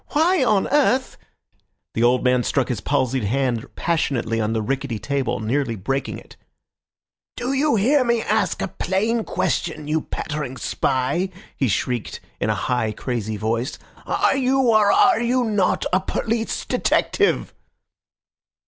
"Why on earth—" The old man struck his palsied hand passionately on the rickety table, nearly breaking it. "Did you hear me ask a plain question, you pattering spy?" he shrieked in a high, crazy voice. "Are you, or are you not, a police detective?"